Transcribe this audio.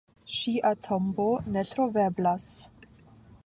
Ŝia tombo ne troveblas.